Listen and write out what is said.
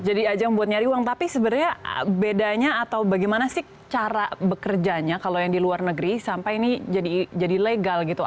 jadi ajang buat nyari uang tapi sebenarnya bedanya atau bagaimana sih cara bekerjanya kalau yang di luar negeri sampai ini jadi legal gitu